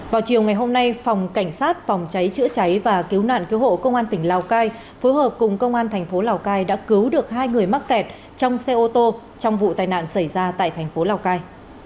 vào chiều ngày hôm nay phòng cảnh sát phòng cháy chữa cháy và cứu nạn cứu hộ công an tỉnh lào cai phối hợp cùng công an thành phố lào cai đã cứu được hai người mắc kẹt trong xe ô tô trong vụ tai nạn xảy ra tại thành phố lào cai